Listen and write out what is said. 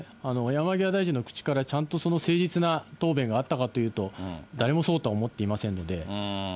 山際大臣の口から、ちゃんと誠実な答弁があったかというと、誰もそうとは思っていませんので。